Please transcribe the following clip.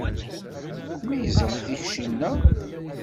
Tmeyyzeḍ i tikci-nneɣ?